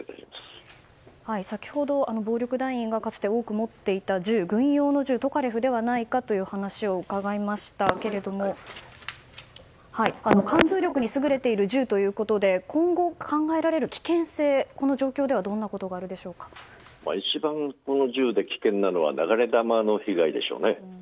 先ほど、暴力団員がかつて多く持っていた軍用の銃、トカレフではないかという話を伺いましたけれども貫通力に優れている銃ということで今後考えられる危険性はこの状況では一番、銃で危険なのは流れ弾の被害でしょうね。